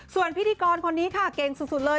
ส่วนพิธีกรคนนี้ค่ะเก่งสุดเลย